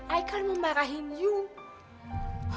aikan memarahin yuk